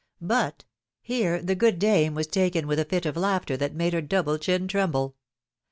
But — Here the good dame was taken with a fit of laughter that made her double chin tremble.